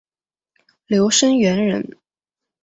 刘声元人。